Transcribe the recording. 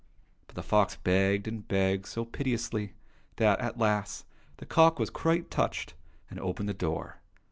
But the fox begged and begged so piteously that, at last, the cock was quite touched, and opened the door.